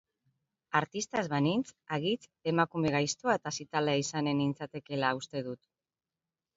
Artista ez banintz, hagitz emakume gaiztoa eta zitala izanen nintzatekeela uste dut.